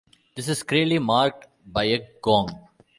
This is clearly marked by a gong.